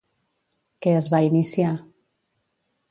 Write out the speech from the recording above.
Què es va iniciar?